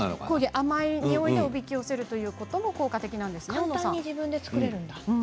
甘いにおいでおびき寄せるということも簡単に自分で作れるんだ。